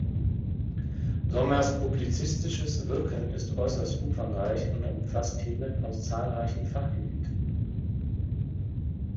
Sommers publizistisches Wirken ist äußerst umfangreich und umfasst Themen aus zahlreichen Fachgebieten.